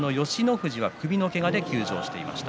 富士は首のけがで休場していました。